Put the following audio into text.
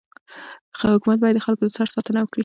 حکومت باید د خلکو د سر ساتنه وکړي.